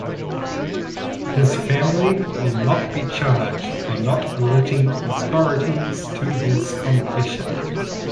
His family will not be charged for not alerting authorities to his confession.